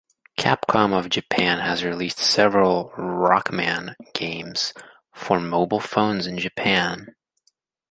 Capcom of Japan has released several "Rockman" games for mobile phones in Japan.